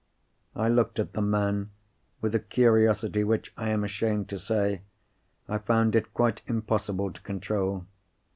I looked at the man with a curiosity which, I am ashamed to say, I found it quite impossible to control.